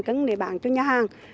cứ để bán cho nhà hàng